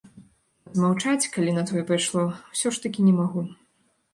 А змаўчаць, калі на тое пайшло, усё ж такі не магу.